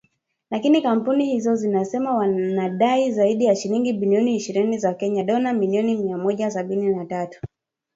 Lakini kampuni hizo zinasema wanadai zaidi ya shilingi bilioni ishirini za Kenya (dola milioni mia moja sabini na tatu )